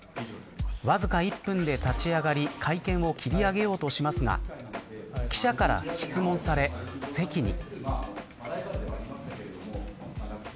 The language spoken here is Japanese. わずか１分で立ち上がり会見を切り上げようとしますが記者から質問され席に。